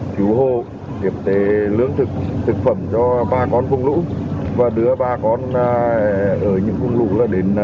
chú hô kiệp tế lưỡng thực thực phẩm cho ba con vùng lũ và đưa ba con ở những vùng lũ đến nơi an toàn